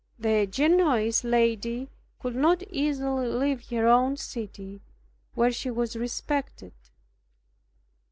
The Genoese lady could not easily leave her own city, where she was respected.